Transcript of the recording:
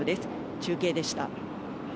中継でした。